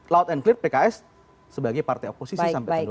loud and clear pks sebagai partai oposisi sampai tahun dua ribu dua puluh empat